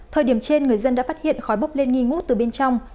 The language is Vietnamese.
thời điểm trên người dân đã phát hiện khói bốc lên nghi ngút từ bên trong